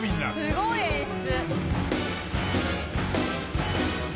すごい演出。